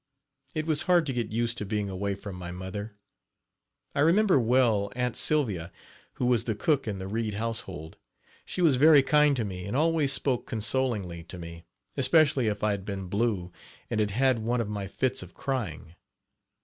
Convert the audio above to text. It was hard to get used to being away from my mother. I remember well "Aunt Sylvia," who was the cook in the Reid household. She was very kind to me and always spoke consolingly to me, especially if I had been blue, and had had one of my fits of crying.